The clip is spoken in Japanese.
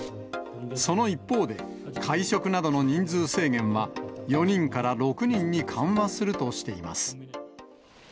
その一方で、会食などの人数制限は、４人から６人に緩和するとしています。